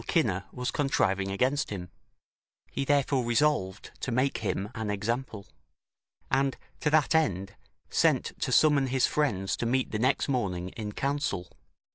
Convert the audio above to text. Cinna was contriving against him; he therefore resolved to make him an example; and, to that end, sent to summon his friends to meet the next morning in counsel.